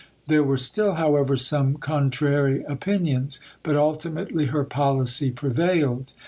There were still, however, some contrary opinions, but ultimately her policy prevailed.